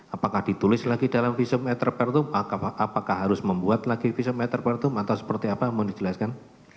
apakah ditulis lagi dalam visum etterpertum apakah harus membuat lagi visum eterpertum atau seperti apa mau dijelaskan